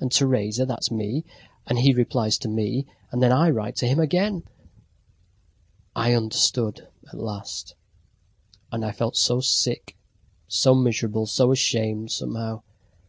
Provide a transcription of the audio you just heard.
And Teresa that's me, and he replies to me, and then I write to him again..." I understood at last. And I felt so sick, so miserable, so ashamed, somehow.